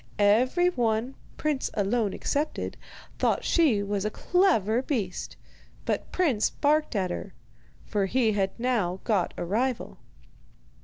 Every one Prince alone excepted, thought she was a clever beast; but Prince barked at her, for he had now got a rival.